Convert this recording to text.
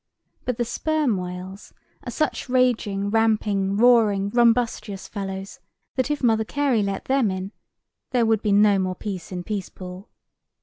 But the sperm whales are such raging, ramping, roaring, rumbustious fellows, that, if Mother Carey let them in, there would be no more peace in Peacepool.